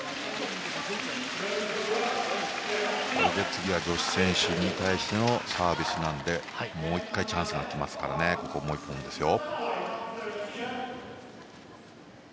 次は女子選手に対してのサービスなのでもう１回チャンスが来ますからここ、もう１本ですよ。